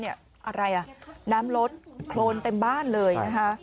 อะไรอ่ะน้ำลดโครนเต็มบ้านเลยนะคะ